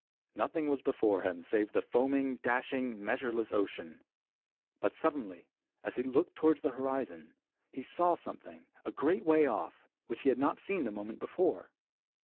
Nothing was before him save the foaming, dashing, measureless ocean. But suddenly, as he looked toward the horizon, he saw something, a great way off, which he had not seen the moment before.